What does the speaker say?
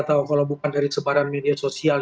tahu kalau bukan dari sebaran media sosial